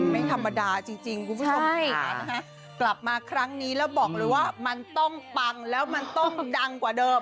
ไม่ธรรมดาจริงคุณผู้ชมค่ะกลับมาครั้งนี้แล้วบอกเลยว่ามันต้องปังแล้วมันต้องดังกว่าเดิม